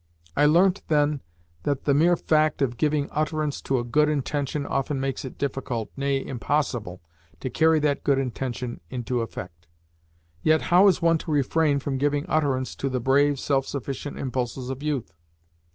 I learnt then that the mere fact of giving utterance to a good intention often makes it difficult, nay, impossible, to carry that good intention into effect. Yet how is one to refrain from giving utterance to the brave, self sufficient impulses of youth?